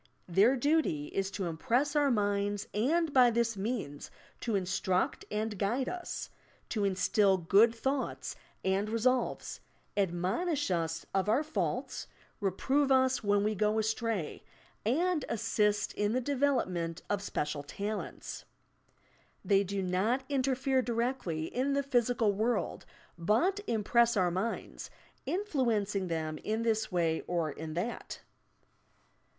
Their duty is to impress our minds, and by this means to instruct and guide us, to instil good thoughts and resolves, admonish OS of our faults, reprove us when we go astray and assist in the development of special talents. They do not interfere directly in the physical world, but im press our minds, influencing them in this way or in that.